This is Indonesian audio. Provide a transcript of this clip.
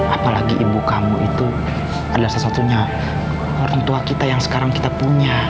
apalagi ibu kamu itu adalah satu satunya orang tua kita yang sekarang kita punya